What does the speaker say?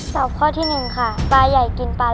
ตัวเลือกที่๔รสชนต้นไม้